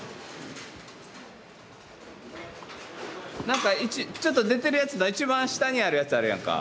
なんかちょっと出てるやつだ一番下にあるやつあるやんか。